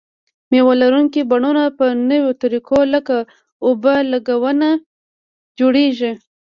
مېوه لرونکي بڼونه په نویو طریقو لکه اوبه لګونه جوړیږي.